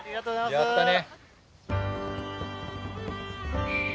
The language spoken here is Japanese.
やったね。